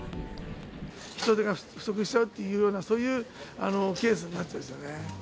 人手が不足しちゃうっていうような、そういうケースになっちゃうんですよね。